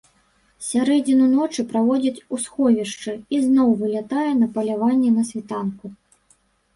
Сярэдзіну ночы праводзіць у сховішчы і зноў вылятае на паляванне на світанку.